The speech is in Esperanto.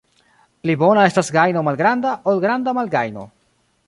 Pli bona estas gajno malgranda, ol granda malgajno.